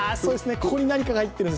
ここに何かが入っているんです。